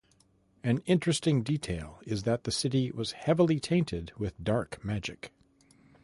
An interesting detail is that the city was heavily tainted with dark magic.